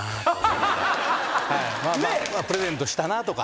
プレゼントしたなとか。